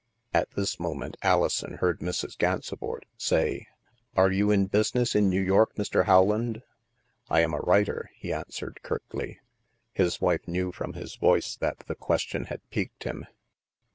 At this moment Alison heard Mrs. Gansevoort say :Are you in business in New York, Mr. How land?" " I am a writer," he answered curtly. His wife knew from his voice that the question had piqued him.